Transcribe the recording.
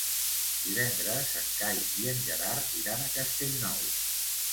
Divendres en Cai i en Gerard iran a Castellnou.